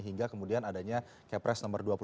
hingga kemudian adanya kepres nomor dua puluh satu